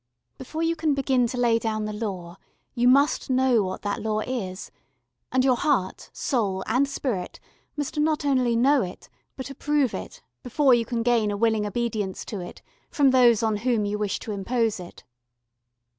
Before you can begin to lay down the law you must know what that law is, and your heart, soul, and spirit must not only know it, but approve it, before you can gain a willing obedience to it from those on whom you wish to impose it.